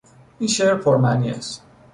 این شعر پر معنی است.